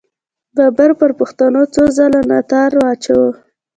بابر پر پښتنو څو څله ناتار واچاوو.